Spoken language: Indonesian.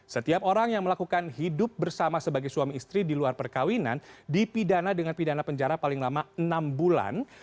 setiap orang yang melakukan hidup bersama sebagai suami istri di luar perkawinan dipidana dengan pidana penjara paling lama enam bulan